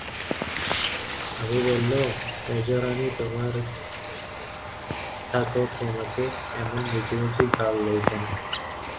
আমি বললুম, মেজোরানী, তোমার থাকো ক্ষেমাকে এমন মিছিমিছি গাল দেয় কেন?